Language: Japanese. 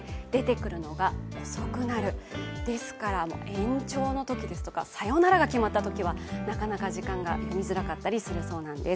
延長のときですとかサヨナラが決まったときなんかはなかなか時間が読みづらかったりするそうなんです。